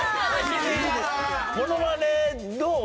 モノマネどう？